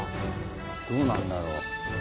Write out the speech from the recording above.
どうなるんだろう。